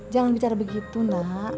jangan bicara begitu nak